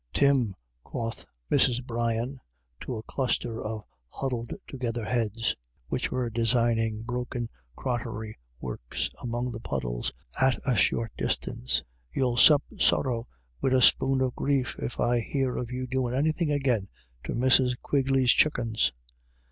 " Tim," quoth Mrs. Brian to a cluster of huddled together heads, which were designing broken crockery works among the puddles at a short distance, " you'll sup sorrow wid a spoon of grief if I hear of your doin' anythin' agin to Mrs. Quigley's chuckens."